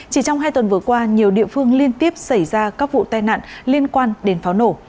chỉ trong hai tuần vừa qua nhiều địa phương liên tiếp xảy ra các vụ tai nạn liên quan đến pháo nổ